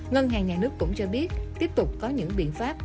ngân hàng nhà nước cũng cho biết tiếp tục có những biện pháp